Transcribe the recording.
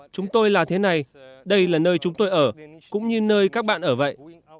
chúng tôi là thế này đây là nơi chúng tôi ở cũng như nơi các bạn ở vậy